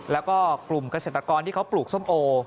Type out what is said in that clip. แล้วก็กลุ่มเกษตรกรที่เขาปลูกส้มโอ